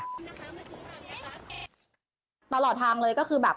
ตลอดทางเลยก็คือแบบ